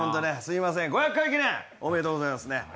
５００回記念おめでとうございますね。